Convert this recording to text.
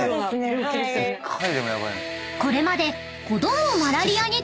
［これまで］